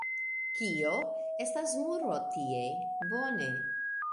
Kio? Estas muro tie. Bone.